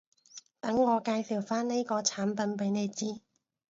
等我介紹返呢個產品畀你知